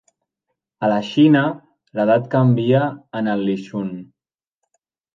A la Xina, l'edat canvia en el lichun.